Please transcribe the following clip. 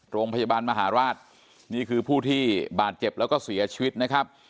โรงพยาบาลมหาราชนี่คือผู้ที่บาดเจ็บแล้วก็เสียชีวิตนะครับ